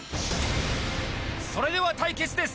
それでは対決です！